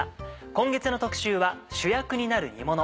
今月の特集は「主役になる煮もの」。